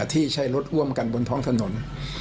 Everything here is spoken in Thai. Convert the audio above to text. ที่ใช้รถร่วมกันบนท้องถนน